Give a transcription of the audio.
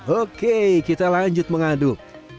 oke kita lanjut mengaduk